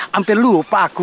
hampir lupa aku